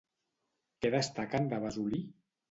Què destaquen de Besolí?